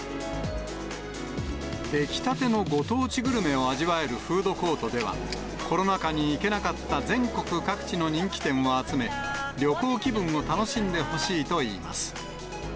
出来たてのご当地グルメを味わえるフードコートでは、コロナ禍に行けなかった全国各地の人気店を集め、旅行気分を楽しんでほしいといいます。